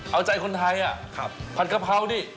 เอาใจคนไทยผัดกะเพรานี่